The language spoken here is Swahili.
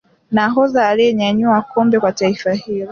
nahodha aliyenyanyua kombe Kwa taifa hilo